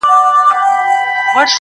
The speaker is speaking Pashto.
کوم ظالم رانه وژلې؛ د هنر سپینه ډېوه ده,